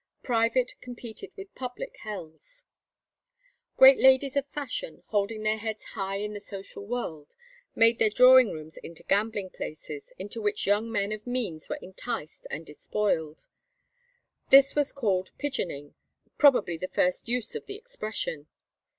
Private competed with public hells. Great ladies of fashion, holding their heads high in the social world, made their drawing rooms into gambling places, into which young men of means were enticed and despoiled. This was called "pidgeoning," probably the first use of the expression.